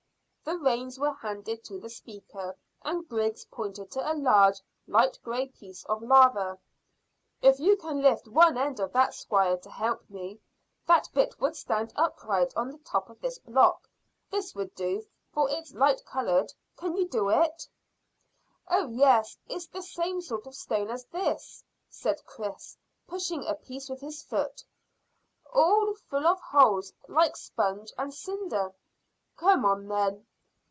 The reins were handed to the speaker, and Griggs pointed to a large light grey piece of lava. "If you can lift one end of that, squire, to help me, that bit would stand upright on the top of this block. This would do, for it's light coloured. Can you do it?" "Oh yes; it's the same sort of stone as this," said Chris, pushing a piece with his foot, "all full of holes, like sponge and cinder." "Come on, then."